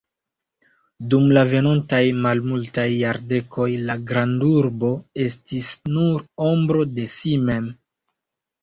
Dum la venontaj malmultaj jardekoj la grandurbo estis nur ombro de si mem.